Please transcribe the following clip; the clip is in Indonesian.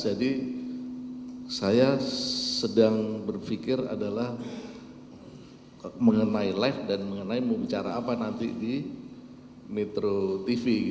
jadi saya sedang berpikir adalah mengenai live dan mengenai mau bicara apa nanti di metro tv